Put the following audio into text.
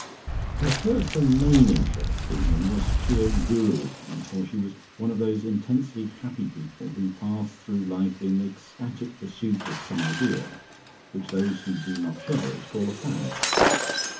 Her first and main interest in him was sheer Guruism, for she was one of those intensely happy people who pass through life in ecstatic pursuit of some idea which those who do not share it call a fad.